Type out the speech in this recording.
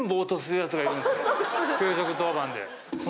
給食当番で。